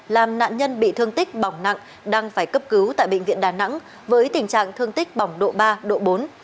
làm nạn nhân bị thương tích bỏng nặng đang phải cấp cứu tại bệnh viện đà nẵng với tình trạng thương tích bỏng độ ba độ bốn